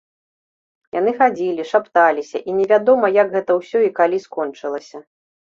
Яны хадзілі, шапталіся, і невядома як гэта ўсё і калі скончылася.